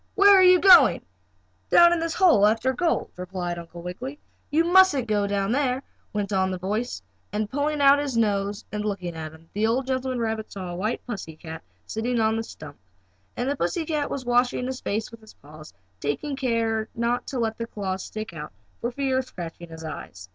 Where are you going?" "Down this hole after gold," replied Uncle Wiggily. "You mustn't go down there," went on the voice, and pulling out his nose and looking about him, the old gentleman rabbit saw a white pussy cat sitting on a stump. And the pussy cat was washing his face with his paws, taking care not to let the claws stick out for fear of scratching his eyes.